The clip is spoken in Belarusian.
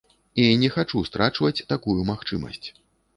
І не хачу страчваць такую магчымасць.